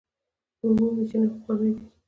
د اوبو میچنې پخوانۍ دي.